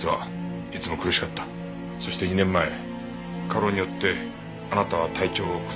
そして２年前過労によってあなたは体調を崩し。